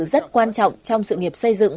rất quan trọng trong sự nghiệp xây dựng